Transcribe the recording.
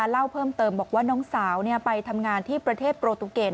เล่าเพิ่มเติมบอกว่าน้องสาวไปทำงานที่ประเทศโปรตุเกต